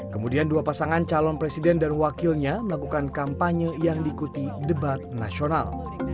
kemudian dua pasangan calon presiden dan wakilnya melakukan kampanye yang diikuti debat nasional